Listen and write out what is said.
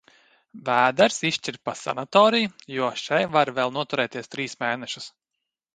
Vēders izšķir pa sanatoriju, jo še var vēl noturēties trīsus mēnešus.